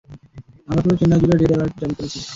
আমরা পুরো চেন্নাই জুড়ে রেড অ্যালার্ট জারি করেছি।